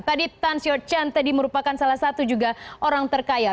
tadi tan sio chan teddy merupakan salah satu juga orang terkaya